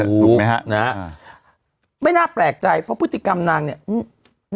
ถูกไหมฮะนะฮะอ่าไม่น่าแปลกใจเพราะพฤติกรรมนางเนี้ยอืม